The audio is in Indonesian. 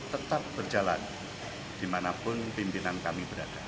tetap berjalan dimanapun pimpinan kami berada